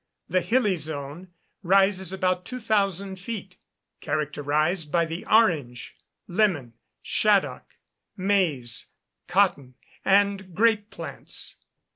The hilly zone, rises about 2,000 feet, characterised by the orange, lemon, shaddock, maize, cotton, and grape plants.